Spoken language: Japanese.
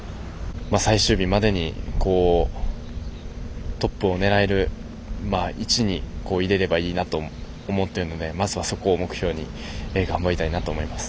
最終日までにトップを狙える位置にいれればいいなと思っているのでまずは、そこを目標に頑張りたいなと思います。